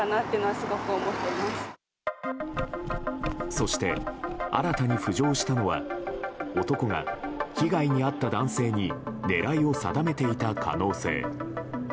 そして、新たに浮上したのは男が被害に遭った男性に狙いを定めていた可能性。